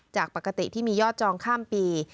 จากปกติที่มียอดจองข้ามปี